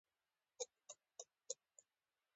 سیلانی ځایونه د افغانستان د اقتصادي ودې لپاره ارزښت لري.